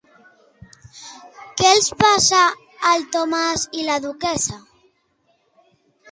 Què els passa al Thomas i la Duquessa?